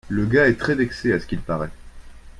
le gars est très vexé à ce qu'il parait.